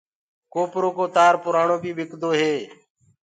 ڪوپرو ڪو تآر پُرآڻو بي ٻِڪدو هي۔